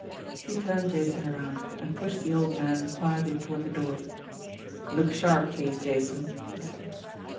He turned Jason around, and pushed the old man quietly toward the door. "Look sharp, please, Jason," he said.